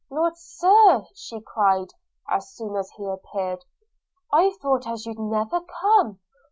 'Lord, Sir,' cried she as soon as he appeared, 'I thoft as you'd never come!